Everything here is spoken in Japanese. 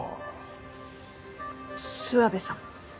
諏訪部さん。